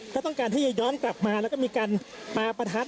ก็ต้องการที่จะย้อนกลับมาแล้วก็มีการปาประทัด